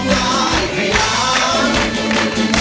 ได้ครับ